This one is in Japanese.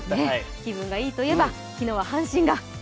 気分がいいといえば、昨日は阪神が。